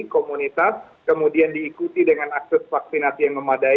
komunitas kemudian diikuti dengan akses vaksinasi yang memadai